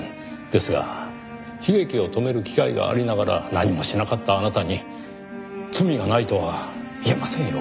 ですが悲劇を止める機会がありながら何もしなかったあなたに罪がないとは言えませんよ。